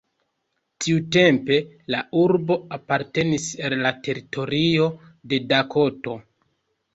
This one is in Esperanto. Tiutempe la urbo apartenis al la teritorio de Dakoto.